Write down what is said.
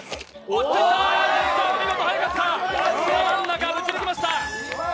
真ん中撃ち抜きました。